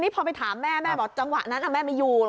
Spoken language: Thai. พอไปถามแม่แม่บอกจังหวะนั้นแม่ไม่อยู่